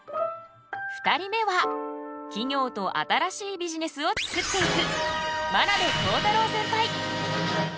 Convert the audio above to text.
２人目は企業と新しいビジネスを作っていく真鍋恒太朗センパイ。